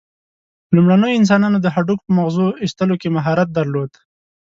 لومړنیو انسانانو د هډوکو په مغزو ایستلو کې مهارت درلود.